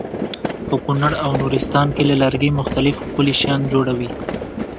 په کونړ او نورستان کې له لرګي مختلف ښکلي شیان جوړوي.